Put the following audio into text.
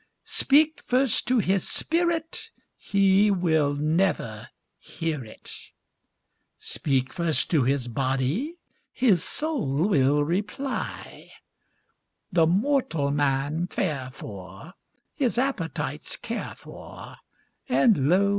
Speak first to his spirit, he never will hear it; Speak first to his body, his soul will reply; The mortal man fare for, his appetites care for, And lo!